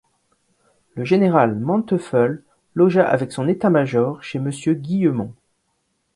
Le général Manteuffel logea avec son état-major chez Monsieur Guillemont.